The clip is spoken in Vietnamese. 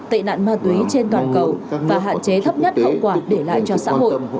tệ nạn ma túy trên toàn cầu và hạn chế thấp nhất hậu quả để lại cho xã hội